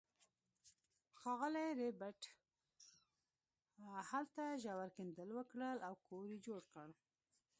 ښاغلي ربیټ هلته ژور کیندل وکړل او کور یې جوړ کړ